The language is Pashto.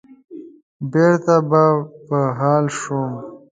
بېرته به په حال شوم.